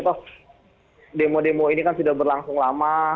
toh demo demo ini kan sudah berlangsung lama